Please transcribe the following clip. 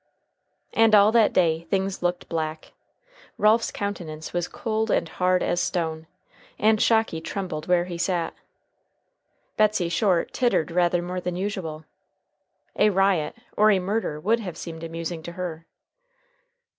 And all that day things looked black. Ralph's countenance was cold and hard as stone, and Shocky trembled where he sat. Betsey Short tittered rather more than usual. A riot or a murder would have seemed amusing to her.